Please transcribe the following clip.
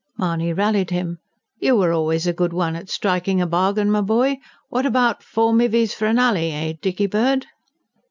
Mahony rallied him. "You were always a good one at striking a bargain, my boy! What about: 'Four mivvies for an alley!' eh, Dickybird?"